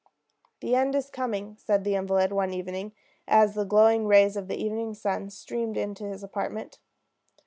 "The end is coming," said the invalid one evening, as the glowing rays of the evening sun streamed into his apartment.